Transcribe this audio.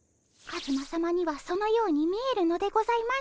カズマさまにはそのように見えるのでございましょう。